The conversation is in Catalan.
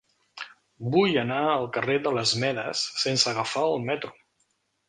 Vull anar al carrer de les Medes sense agafar el metro.